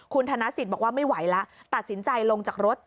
คุณธนสิทธิ์บอกว่าไม่ไหวแล้วตัดสินใจลงจากรถ